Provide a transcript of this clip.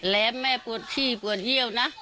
และแม่ปวดที่ปวดเยี่ยวนะ